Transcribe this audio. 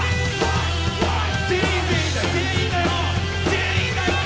全員だよ！